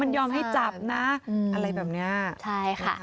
มันยอมให้จับนะอะไรแบบเนี้ยใช่ค่ะ